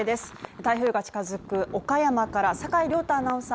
台風が近づく岡山から坂井亮太アナウンサー